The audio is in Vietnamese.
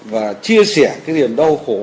và chia sẻ cái điểm đau khổ